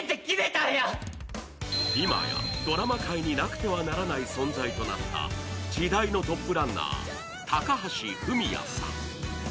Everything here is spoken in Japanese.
今やドラマ界になくてはならない存在となった時代のトップランナー・高橋文哉さん。